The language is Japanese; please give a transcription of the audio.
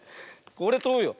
これとぶよ。